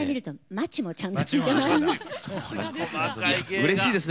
うれしいですね